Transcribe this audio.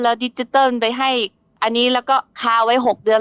แล้วดิจิทัลไปให้อันนี้แล้วก็คาไว้๖เดือน